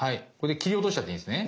切り落としちゃっていいんですね？